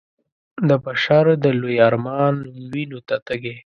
د بشر د لوی ارمان وينو ته تږی